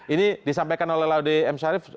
ini disampaikan oleh laude m sharif